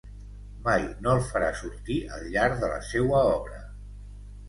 Mai no el farà sortir al llarg de la seua obra.